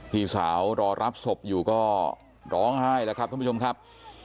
พี่สาวรอรับศพอยู่ก็ร้องไห้แล้วครับท่านผู้ชมครับ